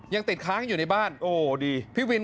ยังติดค้างอยู่ในบ้านโอ้วดี